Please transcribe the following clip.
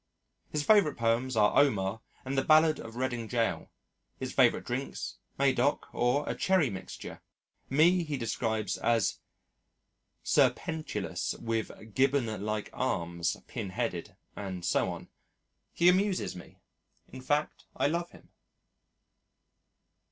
His favourite poems are Omar and the Ballad of Reading Jail, his favourite drinks Medoc or a Cherry Mixture. Me he describes as serpentilous with Gibbon like arms, pinheaded, and so on. He amuses me. In fact I love him.